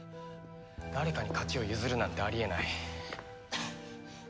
誰かに勝ちを譲るなんてあり得ない。